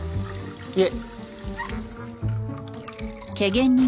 いえ。